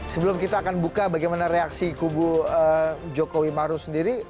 sebelum kita akan buka bagaimana reaksi kubu jokowi maruf sendiri